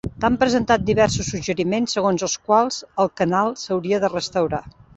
T'han presentat diversos suggeriments segons els quals el canal s'hauria de restaurar.